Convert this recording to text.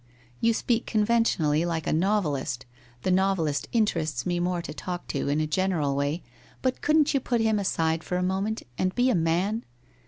You speak conventionally, like a novelist. The novelist interests me more to talk to, in a general way, but couldn't you put him aside for a moment, and be a man?